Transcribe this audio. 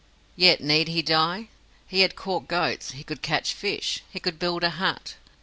Yet need he die? He had caught goats, he could catch fish. He could build a hut.